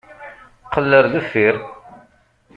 Qqel ar deffir!